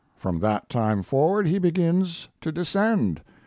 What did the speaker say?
From that time forward he begins to descend.